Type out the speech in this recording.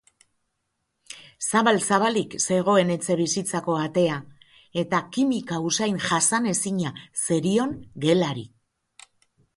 Zabal-zabalik zegoen etxebizitzako atea, eta kimika-usain jasanezina zerion gelari.